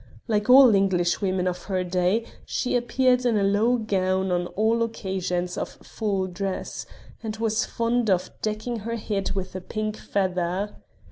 Like all English women of her day she appeared in a low gown on all occasions of full dress, and was fond of decking her head with a pink feather.